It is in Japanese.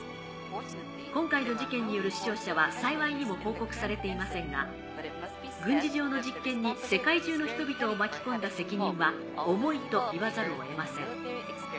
今回の事件による死傷者は幸いにも報告されていませんが軍事上の実験に世界中の人々を巻き込んだ責任は重いと言わざるを得ません。